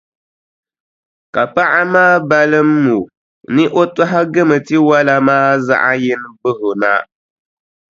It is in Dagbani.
Ka paɣa maa balimi o ni o tɔhigim tiwala maa zaɣʼ yini bahi o na.